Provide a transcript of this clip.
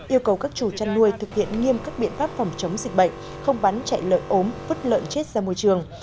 yêu cầu các chủ chăn nuôi thực hiện nghiêm các biện pháp phòng chống dịch bệnh không vắn chạy lợn ốm vứt lợn chết ra môi trường